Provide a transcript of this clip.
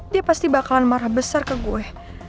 dia pasti bakalan marah besar ke gue